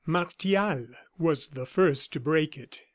Martial was the first to break it.